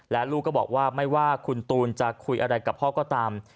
และลูกก็บอกว่าไม่ว่าคุณตูนจะคุยอะไรกับพ่อก็ตาม